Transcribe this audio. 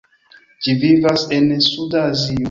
Ĝi vivas en Suda Azio.